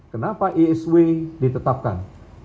kenapa isw ditetapkan